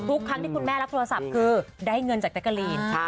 ทุกครั้งที่คุณแม่รับโทรศัพท์คือได้เงินจากแจ๊กกะลีน